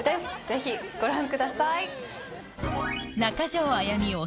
ぜひご覧ください。